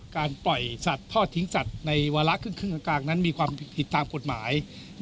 การปล่อยสัตว์ทอดทิ้งสัตว์ในวาระครึ่งกลางนั้นมีความผิดตามกฎหมาย